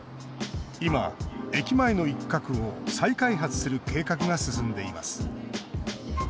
今、駅前の一角を再開発する計画が進んでいます。